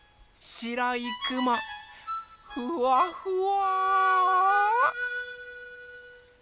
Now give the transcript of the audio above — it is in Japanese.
しろいくもふわふわ。